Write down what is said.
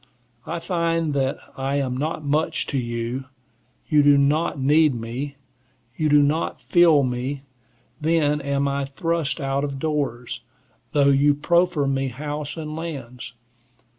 I find that I am not much to you; you do not need me; you do not feel me; then am I thrust out of doors, though you proffer me house and lands.